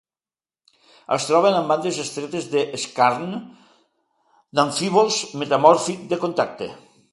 Es troben en bandes estretes en skarn d'amfíbols metamòrfic de contacte.